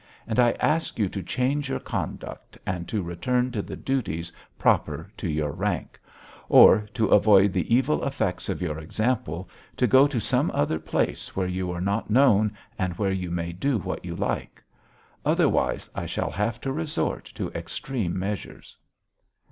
And I ask you to change your conduct and to return to the duties proper to your rank, or, to avoid the evil effects of your example, to go to some other place where you are not known and where you may do what you like. Otherwise I shall have to resort to extreme measures."